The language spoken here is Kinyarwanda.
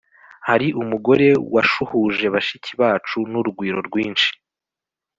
hari umugore washuhuje bashiki bacu n urugwiro rwinshi